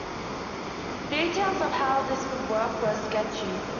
Details of how this would work were sketchy.